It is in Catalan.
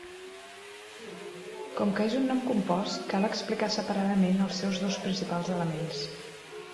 Com que és un nom compost, cal explicar separadament els seus dos principals elements.